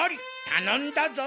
たのんだぞ。